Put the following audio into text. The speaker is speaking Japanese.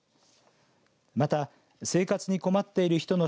また、生活に困っている人の